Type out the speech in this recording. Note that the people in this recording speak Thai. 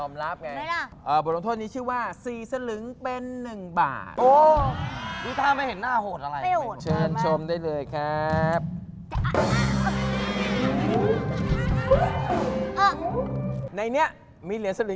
กลับด้วยเหรอกลับด้วยเหรอ